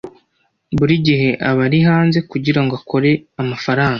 Buri gihe aba ari hanze kugirango akore amafaranga.